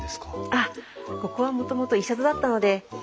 あっここはもともとイシャドだったので。